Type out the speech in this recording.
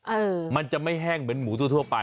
เออมันจะไม่แห้งเหมือนหมูทั่วไป